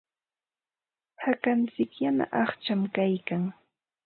Hakantsik yana aqcham kaykan.